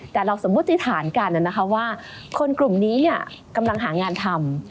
แต่เราสมมุติฐานกันว่าคนกลุ่มนี้กำลังหางานทำ